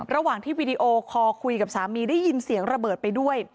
ระหว่างที่วีดีโอคอลคุยกับสามีได้ยินเสียงระเบิดไปด้วย